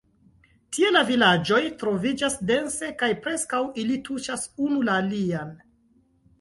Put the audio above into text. Tie la vilaĝoj troviĝas dense kaj preskaŭ ili tuŝas unu la alian.